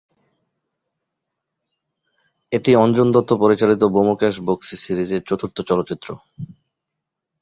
এটি অঞ্জন দত্ত পরিচালিত ব্যোমকেশ বক্সী সিরিজের চতুর্থ চলচ্চিত্র।